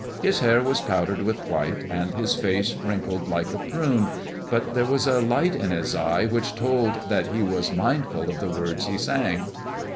His hair was powdered with white, and his face wrinkled like a prune, but there was a light in his eye which told that he was mindful of the words he sang.